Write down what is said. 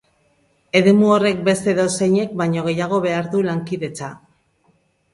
Eremu horrek beste edozeinek baino gehiago behar du lankidetza.